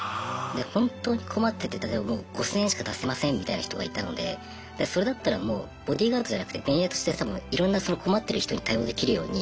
本当に困ってて例えば５，０００円しか出せませんみたいな人がいたのでそれだったらもうボディーガードじゃなくて便利屋としていろんなその困ってる人に対応できるように。